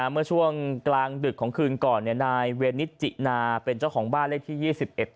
เมื่อช่วงกลางดึกของคืนก่อนนายเวนิจินาเป็นเจ้าของบ้านเลขที่๒๑